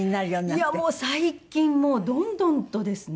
いやもう最近どんどんとですね。